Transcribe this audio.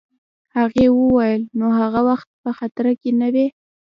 هغې وویل: نو هغه وخت په خطره کي نه وې؟